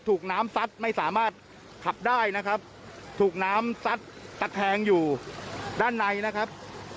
ถูกน้ำซัดไม่สามารถขับได้นะครับถูกน้ำซัดตะแคงอยู่ด้านในนะครับ